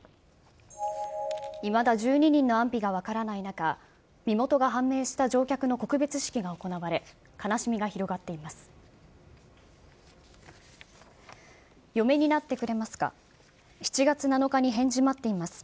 いまだ１２人の安否が分からない中、身元が判明した乗客の告別式が行われ、悲しみが広がっています。